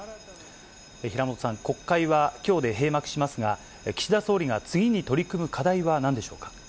平本さん、国会はきょうで閉幕しますが、岸田総理が次に取り組む課題はなんでしょうか。